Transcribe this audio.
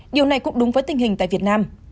điều này cũng đúng với tình hình tại việt nam